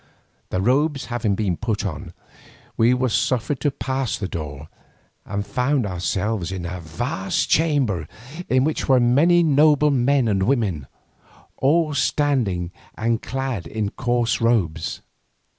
The robes having been put on, we were suffered to pass the door, and found ourselves in a vast chamber in which were many noble men and some women, all standing and clad in coarse robes.